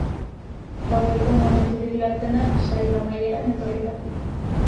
Gaueko momenturik latzena saio amaieran etorri da.